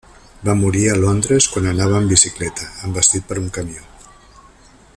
Va morir a Londres quan anava en bicicleta, envestit per un camió.